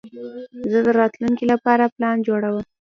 زه د راتلونکي لپاره پلان جوړوم.